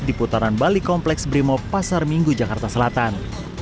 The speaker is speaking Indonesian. di putaran balik kompleks brimob pasar minggu jakarta selatan